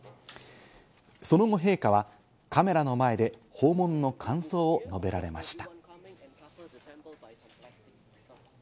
その後、陛下はカメラの前で訪問の感想を述べられました。